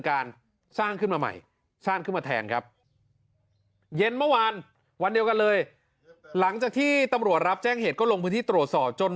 กันเลยหลังจากที่ตำรวจรับแจ้งเหตุก็ลงพื้นที่ตรวจสอบจน